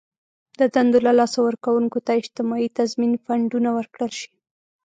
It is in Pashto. د دندو له لاسه ورکوونکو ته اجتماعي تضمین فنډونه ورکړل شي.